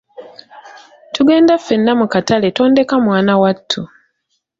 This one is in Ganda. Tugenda ffenna mu katale tondeka mwana wattu.